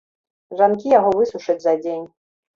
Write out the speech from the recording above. Жанкі яго высушаць за дзень.